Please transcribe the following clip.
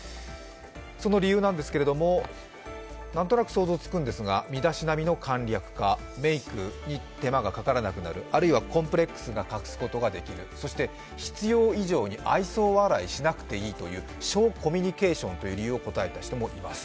その理由なんですがなんとなく想像つくんですが身だしなみの簡略化、メークに手間がかからなくなる、あるいはコンプレックスを隠すことができる、そして必要以上に愛想笑いしなくていいという省コミュニケーションという理由を答えた人もいます。